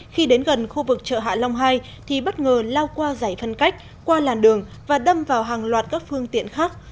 khi đến gần khu vực chợ hạ long hai thì bất ngờ lao qua giải phân cách qua làn đường và đâm vào hàng loạt các phương tiện khác